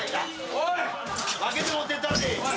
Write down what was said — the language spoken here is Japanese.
おい！